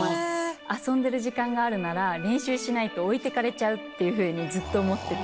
遊んでる時間があるなら練習しないと置いてかれちゃうっていうふうにずっと思ってて。